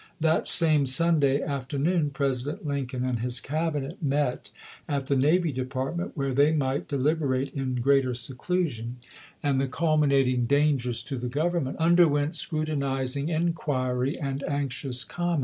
That same Sunday afternoon President Lincoln and his Cabinet met at the Navy Department, where they might delib erate in greater seclusion, and the culminating dangers to the Government underwent scrutiniz ing inquiry and anxious comment.